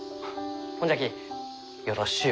ほんじゃきよろしゅう